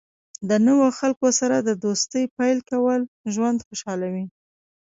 د نوو خلکو سره د دوستۍ پیل کول ژوند خوشحالوي.